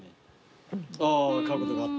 あー角度が合った。